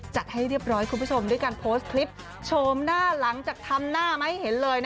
ให้เรียบร้อยคุณผู้ชมด้วยการโพสต์คลิปโฉมหน้าหลังจากทำหน้ามาให้เห็นเลย